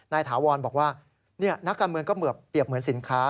ถาวรบอกว่านักการเมืองก็เปรียบเหมือนสินค้า